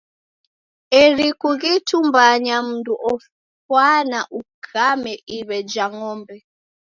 Eri kughitumbanya mndu ofwana ukame iw'e ja ng'ombe.